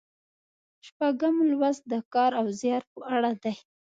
شپږم لوست د کار او زیار په اړه دی.